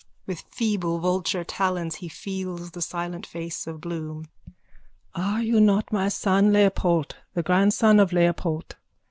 (With feeble vulture talons he feels the silent face of Bloom.) Are you not my son Leopold, the grandson of Leopold?